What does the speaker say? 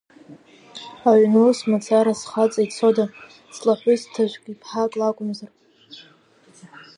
Аҩн ус мацараз хаҵа ицода, ҵлаҳәысҭажәк иԥҳак лакәымзар?